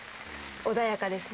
穏やかですね。